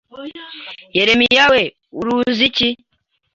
Yeremiya we, uruzi iki